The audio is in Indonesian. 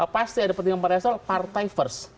pasti ada pertimbangan partai soal partai first